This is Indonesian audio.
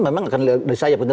memang akan dari sayap